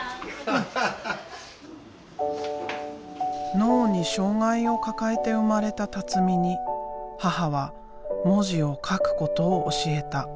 脳に障害を抱えて生まれた辰巳に母は文字を書くことを教えた。